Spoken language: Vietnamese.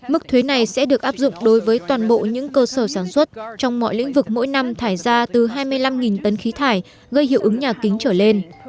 mức thuế này sẽ được áp dụng đối với toàn bộ những cơ sở sản xuất trong mọi lĩnh vực mỗi năm thải ra từ hai mươi năm tấn khí thải gây hiệu ứng nhà kính trở lên